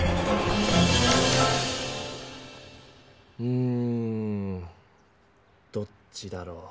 うんどっちだろう。